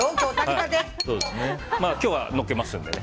今日はのっけますのでね。